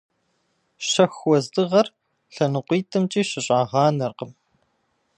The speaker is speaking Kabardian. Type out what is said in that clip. Шэху уэздыгъэр лъэныкъуитӏымкӏи щыщӏагъанэркъым.